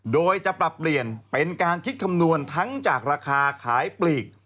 โดยจะปรับเปลี่ยนเป็นการคิดคำนวณทั้งจากราคาขายปลีก